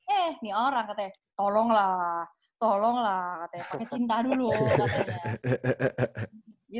eh ini orang katanya tolonglah tolonglah katanya pakai cinta dulu katanya